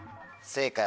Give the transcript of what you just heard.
正解！